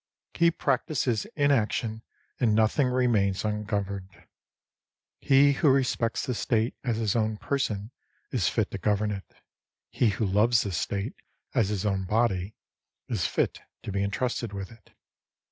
He prac tises inaction, and nothing remains ungoverned. He who respects the State as his own person is fit to govern it. He who loves the State as his own body is fit to be entrusted with it.